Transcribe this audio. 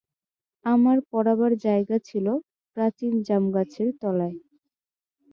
আমার পড়াবার জায়গা ছিল প্রাচীন জামগাছের তলায়।